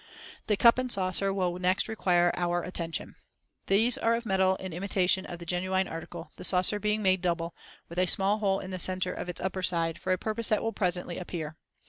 The cup and saucer will next require our attention. These are of metal in imitation of the genuine article, the saucer being made double, with a small hole in the center of its upper side, for a purpose that will presently appear.